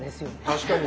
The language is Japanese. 確かに。